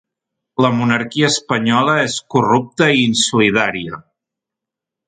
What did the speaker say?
La monarquia espanyola és corrupta i insolidària.